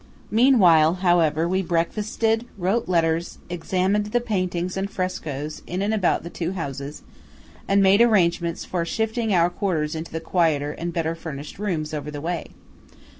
Meanwhile, however, we breakfasted, wrote letters, examined the paintings and frescoes in and about the two houses, and made arrangements for shifting our quarters into the quieter and better furnished rooms over the way.